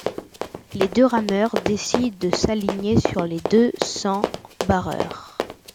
Les deux rameurs décident de s'aligner sur le deux sans barreur.